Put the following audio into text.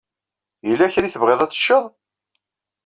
Yella kra i tebɣiḍ ad teččeḍ?